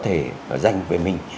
thể dành về mình